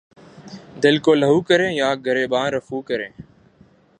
دل کو لہو کریں یا گریباں رفو کریں